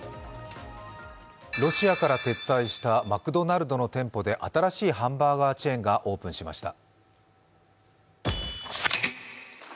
ロシアから撤退したマクドナルドの店舗で新しいハンバーガーチェーンがオープンしました。